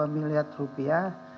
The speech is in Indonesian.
dua miliar rupiah